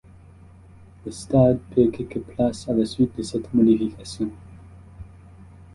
Le stade perd quelques places à la suite de cette modification.